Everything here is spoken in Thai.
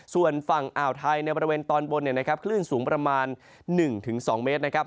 ส่วนฝั่งอ่าวไทยในบริเวณตอนบนคลื่นสูงประมาณ๑๒เมตรนะครับ